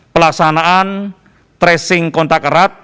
pelaksanaan tracing kontak erat